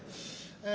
え